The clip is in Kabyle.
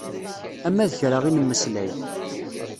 Ama d kra i nemmeslay.